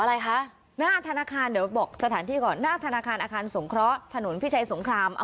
อะไรคะหน้านาคารเดิมบอกสถานที่ก่อนแรกนานอาคารสงคร้อธนูนพิชัยสงคราม